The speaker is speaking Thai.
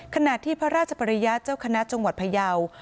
ขณะที่พระราชปริยะเจ้าคณะจังหวัดพยาว